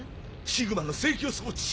シグマの制御装置！